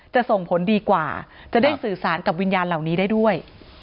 จะส่งผลดีกว่าจะได้สื่อสารกับวิญญาณเหล่านี้ได้ด้วย